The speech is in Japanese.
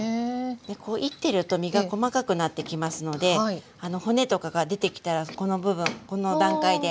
でこういってると身が細かくなってきますので骨とかが出てきたらこの部分この段階で取ったら大丈夫ですね。